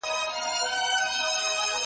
چي هر چا ته وي دولت وررسېدلی .